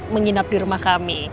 menginap di rumah kami